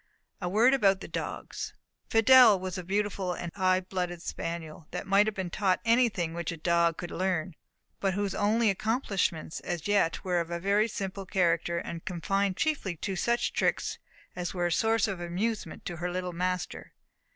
A word about the dogs. Fidelle was a beautiful and high blooded spaniel, that might have been taught anything which a dog could learn, but whose only accomplishments as yet were of a very simple character, and confined chiefly to such tricks as were a source of amusement to her little master.